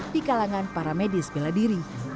di kalangan para medis miladiri